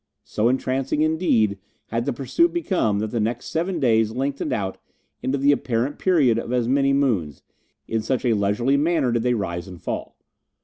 So entrancing, indeed, had the pursuit become that the next seven days lengthened out into the apparent period of as many moons, in such a leisurely manner did they rise and fall.